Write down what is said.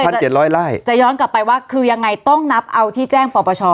เจ็ดร้อยไล่จะย้อนกลับไปว่าคือยังไงต้องนับเอาที่แจ้งปปช